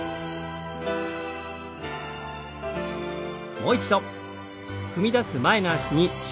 もう一度。